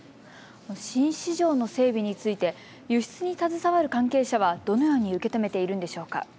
新市場の整備について輸出に携わる関係者はどのように受け止めているんでしょうか。